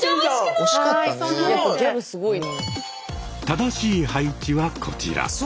正しい配置はこちら。